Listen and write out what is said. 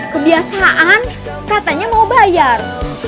kebiasaan katanya mau bayar